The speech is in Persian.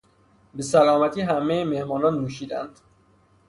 بسلامتی همهی مهمانان نوشیدن